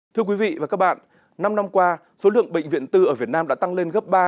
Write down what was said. thưa quý vị và các bạn năm năm qua số lượng bệnh viện tư ở việt nam đã tăng lên gấp ba